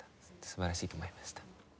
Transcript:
素晴らしいと思いました。